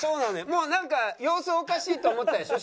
もうなんか様子おかしいと思ったでしょ？